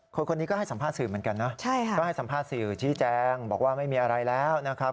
คนนี้ก็ให้สัมภาษณ์สื่อเหมือนกันนะก็ให้สัมภาษณ์สื่อชี้แจงบอกว่าไม่มีอะไรแล้วนะครับ